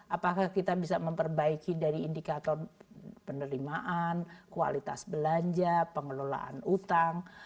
apakah kita bisa memperbaiki dari indikator penerimaan kualitas belanja pengelolaan utang